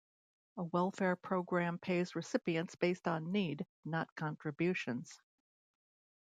A welfare program pays recipients based on need, not contributions.